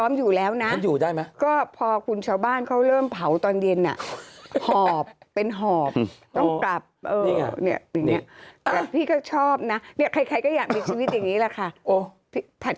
ไม่หล่อเมื่อก่อนแล้วปากม้าปากม้าเมื่อก่อนนะ